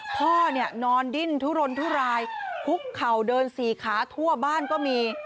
พ่อเนี่ยนอนดิ้นทุรนทุรายคุกเข่าเดินสี่ขาทั่วบ้านก็มี